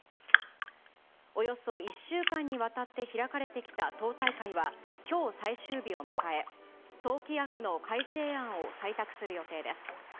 およそ１週間にわたって開かれてきた党大会は、きょう最終日を迎え、党規約の改正案を採択する予定です。